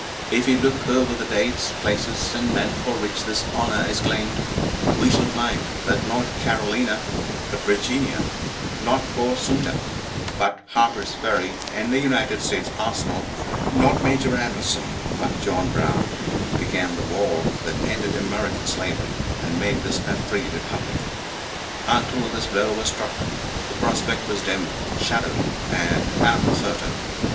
If we look over the dates, places and men for which this honor is claimed we shall find that not Carolina, but Virginia; not Fort Sumter, but Harper's Ferry and the United States Arsenal; not Major Anderson, but John Brown, began the war that ended American slavery and made this a free republic. Until this blow was struck the prospect was dim, shadowy and uncertain.